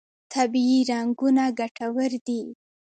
طبیعي رنګونه ګټور دي.